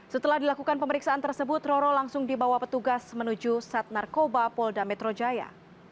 setelah dilakukan pemeriksaan tersebut roro langsung dibawa petugas menuju sat narkoba polda metro jaya